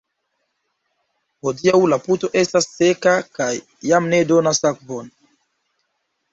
Hodiaŭ la puto estas seka kaj jam ne donas akvon.